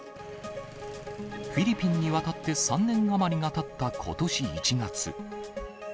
フィリピンに渡って３年余りがたったことし１月。